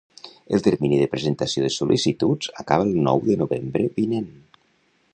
El termini de presentació de sol·licituds acaba el nou de novembre vinent.